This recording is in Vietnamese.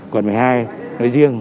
quận một mươi hai nơi riêng